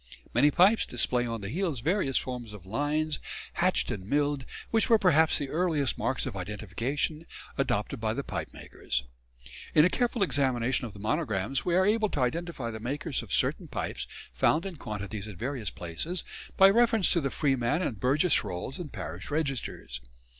Many pipes display on the heels various forms of lines, hatched and milled, which were perhaps the earliest marks of identification adopted by the pipe makers. In a careful examination of the monograms we are able to identify the makers of certain pipes found in quantities at various places, by reference to the freeman and burgess rolls and parish registers.